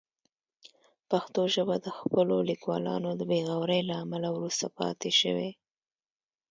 پښتو ژبه د خپلو لیکوالانو د بې غورۍ له امله وروسته پاتې شوې.